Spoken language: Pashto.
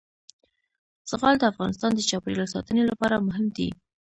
زغال د افغانستان د چاپیریال ساتنې لپاره مهم دي.